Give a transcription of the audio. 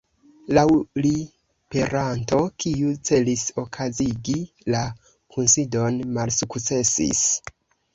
Laŭ li, peranto kiu celis okazigi la kunsidon malsukcesis.